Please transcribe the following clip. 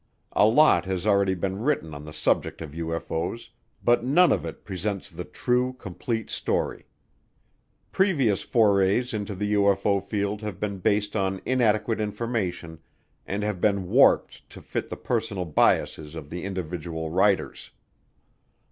A lot has already been written on the subject of UFO's, but none of it presents the true, complete story. Previous forays into the UFO field have been based on inadequate information and have been warped to fit the personal biases of the individual writers.